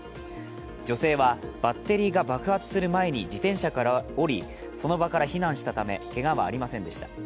女性はバッテリーが爆発する前に自転車から降りその場から避難したためけがはありませんでした。